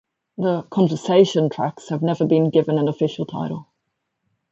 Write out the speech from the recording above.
The "conversation" tracks have never been given an official title.